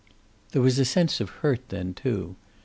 There was a sense of hurt, then, too.